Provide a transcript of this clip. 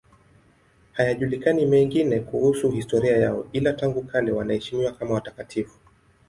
Hayajulikani mengine kuhusu historia yao, ila tangu kale wanaheshimiwa kama watakatifu.